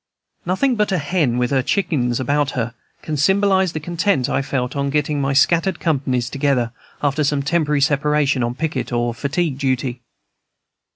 Nothing but a hen with her chickens about her can symbolize the content I felt on getting my scattered companies together, after some temporary separation on picket or fatigue duty.